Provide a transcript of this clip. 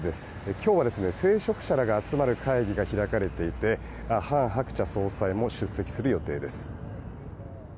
今日は聖職者らが集まる会議が開かれていてハン・ハクチャ総裁も出席する予定です。